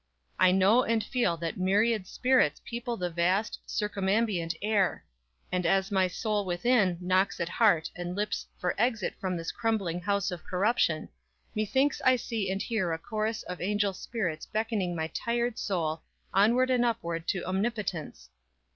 I know and feel that myriad spirits People the vast, circumambient air, And as my soul within knocks at heart and lips For exit from this crumbling house of corruption, Methinks I see and hear a chorus of Angel spirits beckoning my tired soul Onward and upward to omnipotence.